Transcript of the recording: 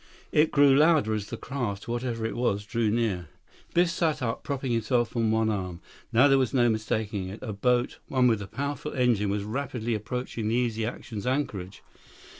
It grew louder as the craft, whatever it was, drew nearer. Biff sat up, propping himself on one arm. Now there was no mistaking it. A boat, one with a powerful engine, was rapidly approaching the Easy Action's anchorage.